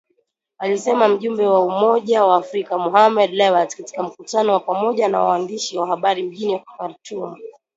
Alisema mjumbe wa Umoja wa Afrika, Mohamed Lebatt katika mkutano wa pamoja na waandishi wa habari mjini Khartoum.